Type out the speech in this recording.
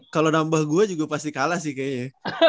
kalau nambah gue juga pasti kalah sih kayaknya